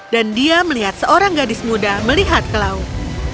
dan dia melihat seorang gadis muda melihat ke laut